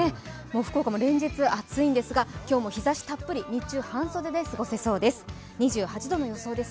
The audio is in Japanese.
福岡も連日、暑いんですが今日も日ざしたっぷり日中半袖で過ごせそうです。